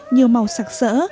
nhiều màu sặc sỡ